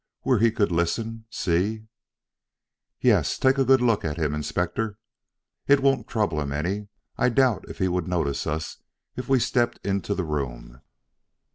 where he could listen see " "Yes. Take a good look at him, Inspector. It won't trouble him any. I doubt if he would notice us if we stepped into the room."